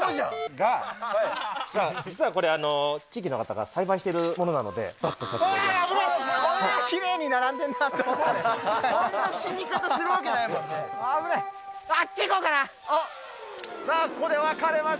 が、実はこれ、地域の方が栽培しているものなので、バツとさせていただきます。